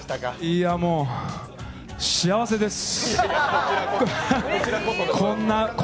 いや、もう、幸せです。